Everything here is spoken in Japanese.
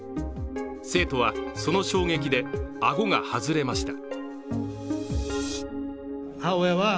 生徒は、その衝撃で顎が外れました。